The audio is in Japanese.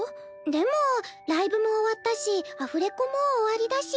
でもライブも終わったしアフレコも終わりだし。